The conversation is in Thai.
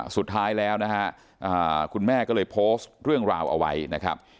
สุดท้ายแล้วนะฮะคุณแม่ก็เลยโพสต์เรื่องราวเอาไว้นะครับ